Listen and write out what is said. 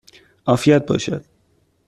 عافیت باشد!